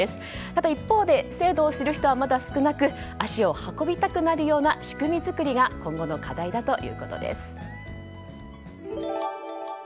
ただ一方で制度を知る人はまだ少なく足を運びたくなるような仕組み作りが今後の課題だということです。